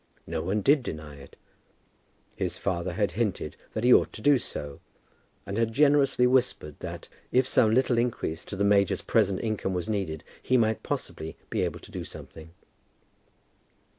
No one did deny it. His father had hinted that he ought to do so, and had generously whispered that if some little increase to the major's present income were needed, he might possibly be able to do something.